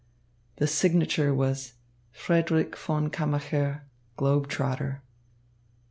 The signature was "Frederick von Kammacher, Globetrotter."